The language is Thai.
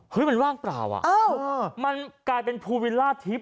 เฮ้ยมันว่างเปล่าอ่ะมันกลายเป็นภูวิลล่าทิพย